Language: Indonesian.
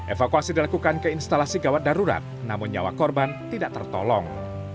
evakuasi dilakukan ke instalasi gawat darurat namun nyawa korban tidak tertolong